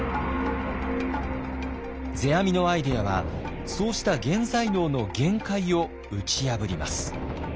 世阿弥のアイデアはそうした現在能の限界を打ち破ります。